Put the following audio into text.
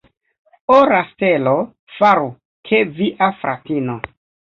Ora stelo, faru, ke via fratino.